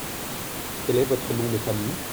Quel est votre nom de famille ?